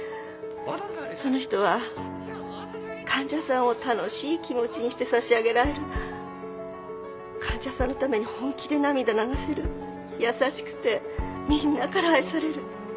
その人は患者さんを楽しい気持ちにしてさしあげられる患者さんのために本気で涙流せる優しくてみんなから愛される